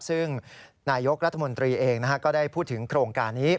ซึ่งนายกรัฐมนตรีเองก็ได้พูดถึงโครงการนี้